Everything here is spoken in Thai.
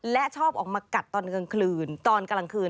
และชอบออกมากัดตอนกลางคืน